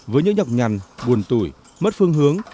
với những nhọc nhằn buồn tuổi mất phương hướng